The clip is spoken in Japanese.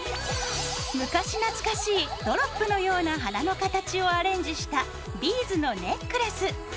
昔懐かしいドロップのような花の形をアレンジしたビーズのネックレス。